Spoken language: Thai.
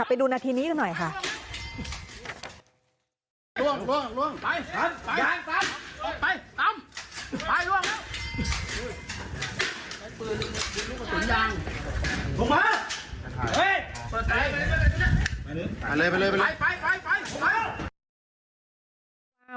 ไปดูนาทีนี้กันหน่อยค่ะ